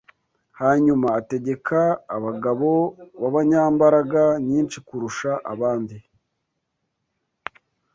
Hanyuma, ategeka abagabo b’abanyambaraga nyinshi kurusha abandi